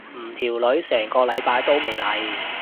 唔條女成個禮拜都未嚟。